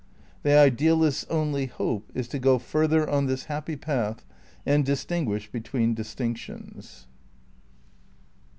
The idealist's only hope is to go further on this happy path and distinguish between distinctions.